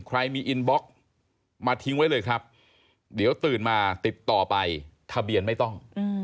ใครมีอินบล็อกมาทิ้งไว้เลยครับเดี๋ยวตื่นมาติดต่อไปทะเบียนไม่ต้อง